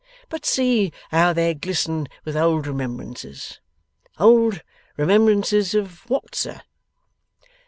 But see how they glisten with old remembrances! Old remembrances of what, sir?